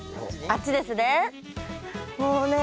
あっちですね。